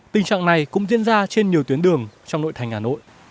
tình trạng này cũng diễn ra trên nhiều tuyến đường trong nội thành hà nội